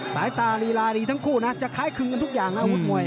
สายตาลีลาดีทั้งคู่นะจะคล้ายคลึงกันทุกอย่างนะอาวุธมวย